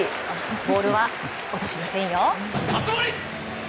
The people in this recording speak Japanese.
ボールは落としませんよ。